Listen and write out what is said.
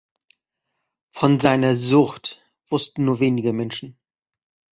Von seiner Sucht wussten nur wenige Menschen.